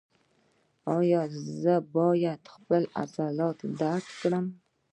ایا زه باید خپل عضلات درد کړم؟